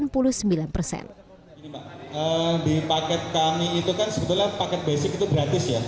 platform kita ini gratis banget